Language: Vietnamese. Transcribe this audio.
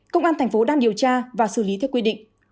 công an tp đang điều tra và xử lý theo quy định